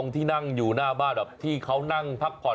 ตัวสองพอ